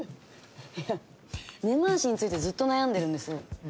いや「根回し」についてずっと悩んでるんです。